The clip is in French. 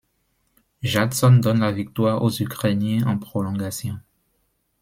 Jádson donne la victoire aux Ukrainiens en prolongation.